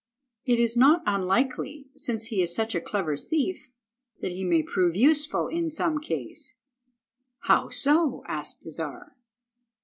It is not unlikely, since he is such a clever thief, that he may prove useful in some case." "How so?" asked the Czar.